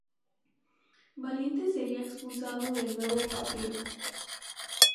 Valiente sería expulsado del nuevo partido.